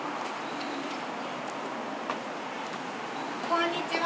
こんにちは。